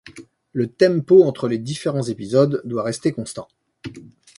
Le tempo entre les différents épisodes doit rester constant.